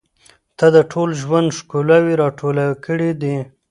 • ته د ټول ژوند ښکلاوې راټولې کړې.